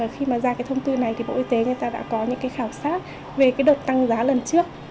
khi ra thông tư này thì bộ y tế đã có những khảo sát về đợt tăng giá lần trước